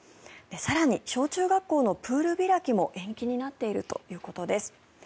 更に、小中学校のプール開きも延期になっているということです。